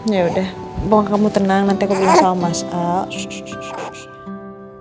ya udah bong kamu tenang nanti aku bilang soal mas al